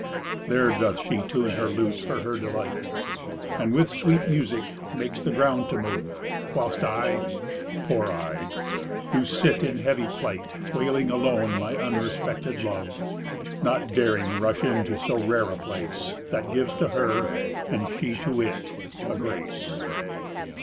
There doth she tune her lute for her delight, And with sweet music makes the ground to move; Whilst I, poor I, do sit in heavy plight, Wailing alone my unrespected love, Not daring rush into so rare a place, That gives to her, and she to it, a grace.